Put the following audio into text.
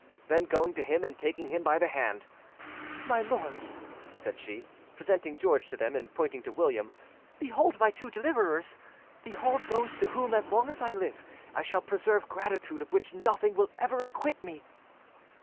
Then, going to him and taking him by the hand— "My lords," said she, presenting George to them, and pointing to William, "behold my two deliverers: behold those to whom, as long as I live, I shall preserve gratitude of which nothing will ever acquit me."